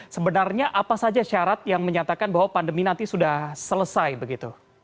sebenarnya apa saja syarat yang menyatakan bahwa pandemi nanti sudah selesai begitu